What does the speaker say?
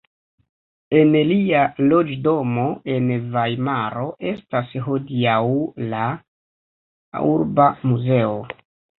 En lia loĝdomo en Vajmaro estas hodiaŭ la Urba muzeo.